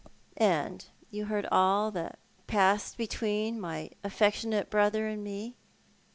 " And you heard all that passed between my affectionate brother and me.